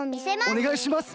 おねがいします！